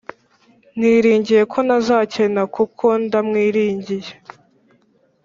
Niringiye ko ntazakena kuko ndamwiringiye